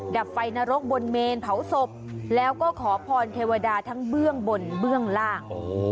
ดับไฟนรกบนเมนเผาศพแล้วก็ขอพรเทวดาทั้งเบื้องบนเบื้องล่าง